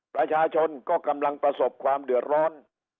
ประชาชนก็กำลังประสบความเดือดร้อน